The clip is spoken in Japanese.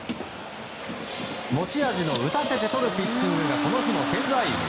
持ち味の打たせてとるピッチングがこの日も健在。